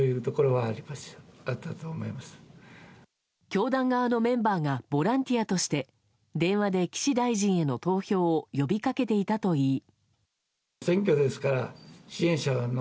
教団側のメンバーがボランティアとして電話で岸大臣への投票を呼びかけていたといい。